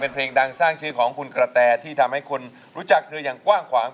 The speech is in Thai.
เป็นเพลงดังสร้างชื่อของคุณกระแตที่ทำให้คนรู้จักเธออย่างกว้างขวาง